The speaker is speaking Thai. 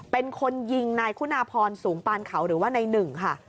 เป็นคนยิงนายคุณาพรสูงปานเขาหรือว่าในหนึ่งค่ะ